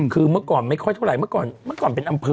คือเมื่อก่อนไม่ค่อยเท่าไหร่เมื่อก่อนเป็นอำเภออะ